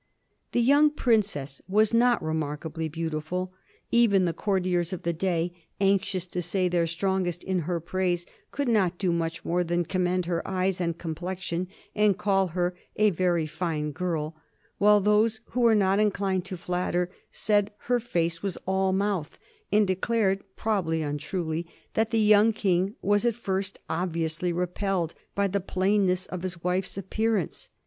The young Princess was not remarkably beautiful. Even the courtiers of the day, anxious to say their strongest in her praise, could not do much more than commend her eyes and complexion and call her "a very fine girl," while those who were not inclined to flatter said her face was all mouth, and declared, probably untruly, that the young King was at first obviously repelled by the plainness of his wife's appearance.